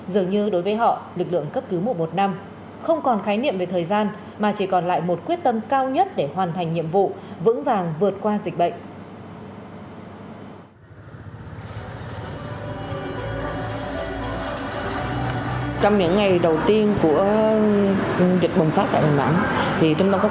dường như đối với họ lực lượng cấp cứu mùa một năm không còn khái niệm về thời gian mà chỉ còn lại một quyết tâm cao nhất để hoàn thành nhiệm vụ vững vàng vượt qua dịch bệnh